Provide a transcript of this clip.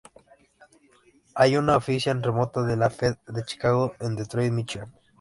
Hay una ofician remota de la Fed de Chicago en Detroit, Michigan.